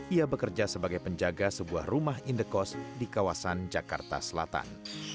ia bekerja sebagai penjaga sebuah rumah indekos di kawasan jakarta selatan